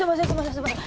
すみません